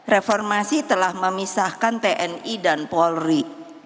reformasi telah memisahkan tni dan polri